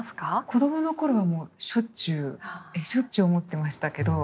子供の頃はもうしょっちゅうしょっちゅう思ってましたけど。